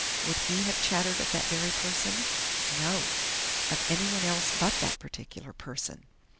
Would he have chattered of that very person? No! Of anyone else but that particular person!